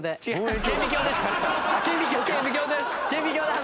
顕微鏡です。